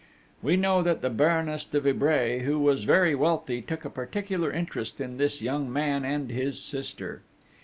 We know that the Baroness de Vibray, who was very wealthy, took a particular interest in this young man and his sister.